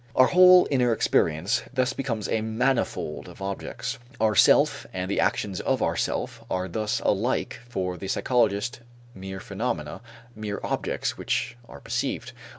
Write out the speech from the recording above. Our whole inner experience thus becomes a manifold of objects. Our self and the actions of our self are thus alike for the psychologist mere phenomena, mere objects which are perceived.